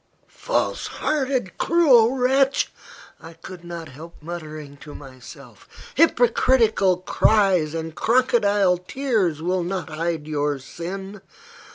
"False hearted, cruel wretch!" I could not help muttering to myself. "Hypocritical cries and crocodile tears will not hide your sin.